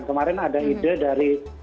kemarin ada ide dari